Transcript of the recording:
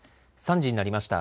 ３時になりました。